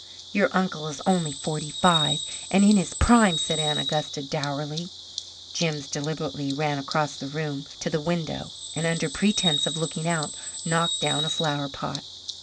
"Your uncle is only forty five and in his prime," said Aunt Augusta dourly. Jims deliberately ran across the room to the window and, under pretence of looking out, knocked down a flower pot.